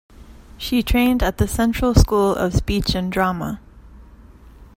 She trained at the Central School of Speech and Drama.